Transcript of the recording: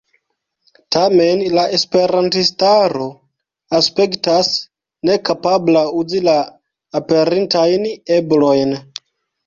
Tamen, la Esperantistaro aspektas nekapabla uzi la aperintajn eblojn.